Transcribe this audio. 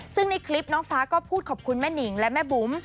ซึ่งในคลิปน้องฟ้าก็พูดขอบคุณแม่นิงและแม่บุ๋ม